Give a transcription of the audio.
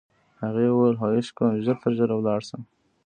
هغې وویل: خواهش کوم، ژر تر ژره ولاړ شه.